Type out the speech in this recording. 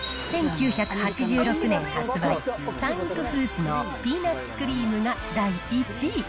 １９８６年発売、三育フーズのピーナッツクリームが第１位。